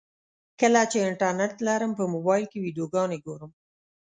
کله چې انټرنټ لرم په موبایل کې ویډیوګانې ګورم.